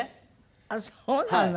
ああそうなの？